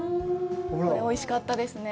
おいしかったですね。